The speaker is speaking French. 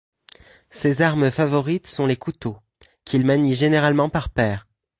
Ses armes favorites sont les couteaux, qu'il manie généralement par paire.